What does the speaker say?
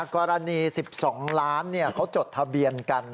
กรณี๑๒ล้านเขาจดทะเบียนกัน